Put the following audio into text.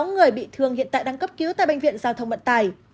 sáu người bị thương hiện tại đang cấp cứu tại bệnh viện giao thông vận tài